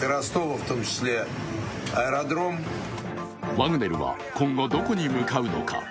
ワグネルは今後どこに向かうのか。